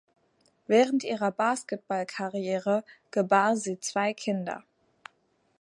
Während ihrer Basketballkarriere gebar sie zwei Kinder.